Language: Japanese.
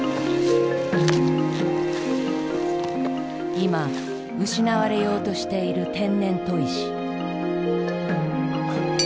今失われようとしている天然砥石。